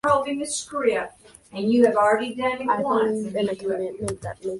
Several infamous incidents contributed to Cabrini-Green's reputation.